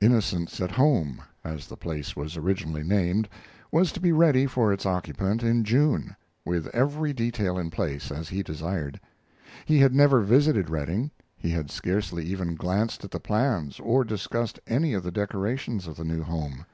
"Innocence at Home," as the place was originally named, was to be ready for its occupant in June, with every detail in place, as he desired. He had never visited Redding; he had scarcely even glanced at the plans or discussed any of the decorations of the new home.